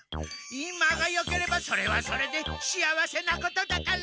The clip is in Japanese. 今がよければそれはそれで幸せなことだから。